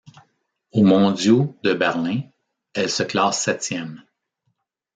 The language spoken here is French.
Aux mondiaux de Berlin, elle se classe septième.